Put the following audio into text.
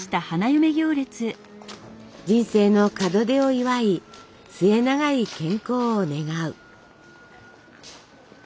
人生の門出を祝い末永い健康を願う。